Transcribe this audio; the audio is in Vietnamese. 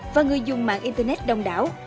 và người dùng mạng internet đông đảo